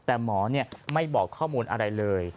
แต่หมอไม่บอกข้อมูลอะไรเลย